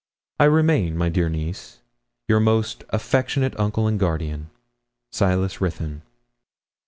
'I remain, my dear niece, your most affectionate uncle and guardian, SILAS RUTHYN.'